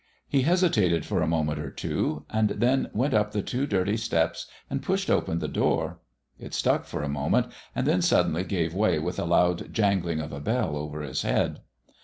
He hesitated for a moment or two and then went up the two dirty steps and pushed open the door. It stuck for a moment, and then suddenly gave way with a loud jangling of a bell over his head.